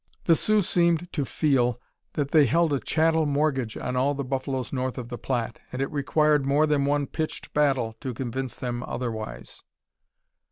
The Sioux seemed to feel that they held a chattel mortgage on all the buffaloes north of the Platte, and it required more than one pitched battle to convince them otherwise.